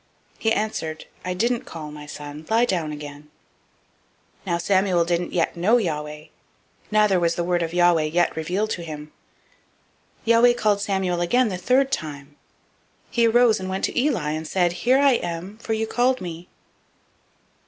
He answered, I didn't call, my son; lie down again. 003:007 Now Samuel didn't yet know Yahweh, neither was the word of Yahweh yet revealed to him. 003:008 Yahweh called Samuel again the third time. He arose and went to Eli, and said, Here am I; for you called me.